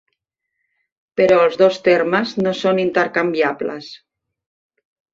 Però els dos termes no són intercanviables.